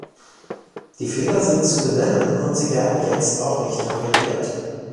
Die Fehler sind zu benennen, und sie werden jetzt auch nicht korrigiert.